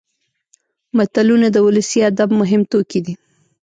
متلونه د ولسي ادب مهم توکي دي